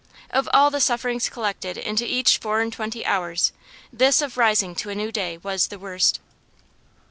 Of all the sufferings collected into each four and twenty hours this of rising to a new day was the worst.